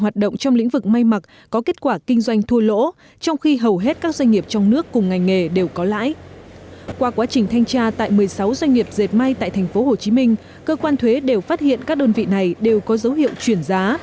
trong quá trình thanh tra tại một mươi sáu doanh nghiệp dệt may tại tp hcm cơ quan thuế đều phát hiện các đơn vị này đều có dấu hiệu chuyển giá